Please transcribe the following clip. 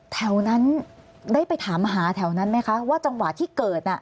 แถวนั้นได้ไปถามหาแถวนั้นไหมคะว่าจังหวะที่เกิด